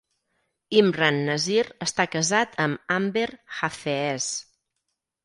Imran Nazir està casat amb Amber Hafeez.